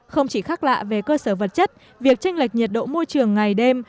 không chỉ khác lạ về cơ sở vật chất việc tranh lệch nhiệt độ môi trường ngày đêm